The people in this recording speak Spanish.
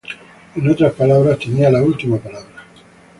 En otras palabras, tenía la última palabra.